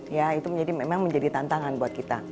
ya itu memang menjadi tantangan buat kita